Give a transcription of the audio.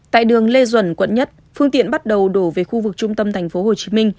tại đường lê duẩn quận một phương tiện bắt đầu đổ về khu vực trung tâm tp hcm